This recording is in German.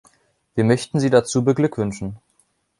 Wir möchten Sie dazu beglückwünschen.